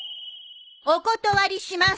お断りします！